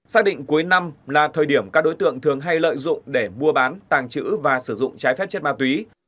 xác định cuối năm là thời điểm các đối tượng thường hay lợi dụng để mua bán tàng trữ và sử dụng trái phép chất ma túy